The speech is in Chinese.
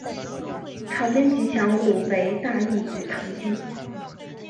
场边吉祥物为大义与唐基。